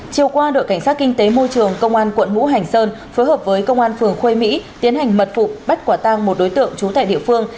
chiều qua đội cảnh sát kinh tế môi trường công an quận vũ hành sơn phối hợp với công an phường khuê mỹ tiến hành mật phụ bắt quả tăng một đối tượng chú tại địa phương